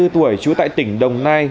ba mươi bốn tuổi chú tại tỉnh đồng nai